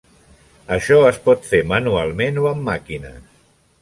Això es pot fer manualment o amb màquines.